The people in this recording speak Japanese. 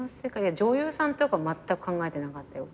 女優さんとかまったく考えてなかったよ。